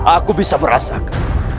aku bisa merasakan